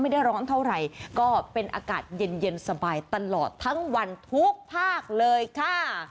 ร้อนเท่าไหร่ก็เป็นอากาศเย็นเย็นสบายตลอดทั้งวันทุกภาคเลยค่ะ